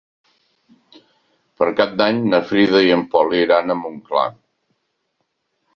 Per Cap d'Any na Frida i en Pol iran a Montclar.